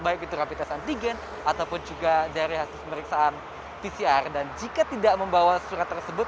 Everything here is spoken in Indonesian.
baik itu rapi tes antigen ataupun juga dari hasil pemeriksaan pcr dan jika tidak membawa surat tersebut